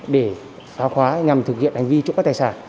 để phá khóa nhằm thực hiện hành vi trụ bắt tài sản